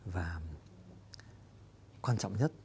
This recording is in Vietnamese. và quan trọng nhất